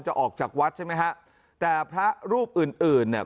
ออกจากวัดใช่ไหมฮะแต่พระรูปอื่นอื่นเนี่ย